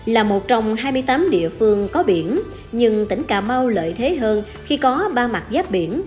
là một trong hai mươi tám địa phương có biển nhưng tỉnh cà mau lợi thế hơn khi có ba mặt giáp biển